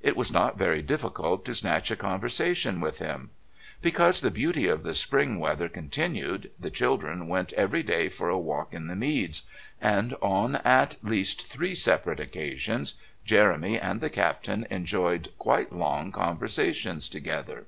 It was not very difficult to snatch a conversation with him. Because the beauty of the spring weather continued, the children went every day for a walk in the Meads, and on at least three separate occasions Jeremy and the Captain enjoyed quite long conversations together.